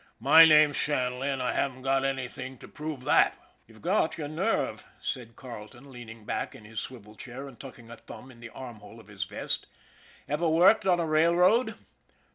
My name's Shanley, an' I haven't even got anything to prove that." "You've got your nerve," said Carleton, leaning back in his swivel chair and tucking a thumb in the armhole of his vest. " Ever worked on a railroad?